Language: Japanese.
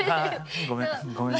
ごめんごめん。